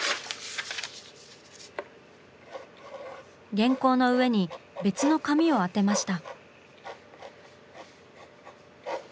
原稿の上に別の紙を当てました。